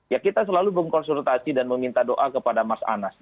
ya kita selalu berkonsultasi dan meminta doa kepada mas anas